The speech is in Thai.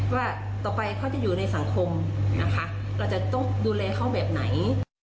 ว่าต่อไปเขาจะอยู่ในสังคมนะคะเราจะต้องดูแลเขาแบบไหน